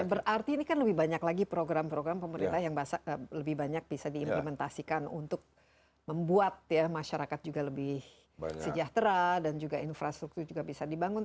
berarti ini kan lebih banyak lagi program program pemerintah yang lebih banyak bisa diimplementasikan untuk membuat ya masyarakat juga lebih sejahtera dan juga infrastruktur juga bisa dibangun